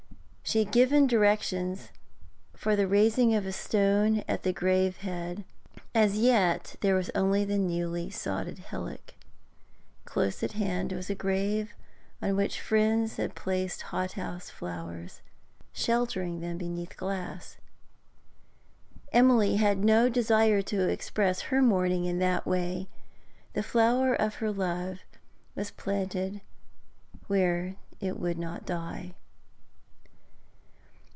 She had given directions for the raising of a stone at the grave head; as yet there was only the newly sodded hillock. Close at hand was a grave on which friends placed hot house flowers, sheltering them beneath glass. Emily had no desire to express her mourning in that way; the flower of her love was planted where it would not die.